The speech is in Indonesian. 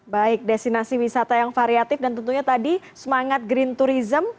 baik destinasi wisata yang variatif dan tentunya tadi semangat green tourism